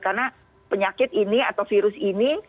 karena penyakit ini atau virus ini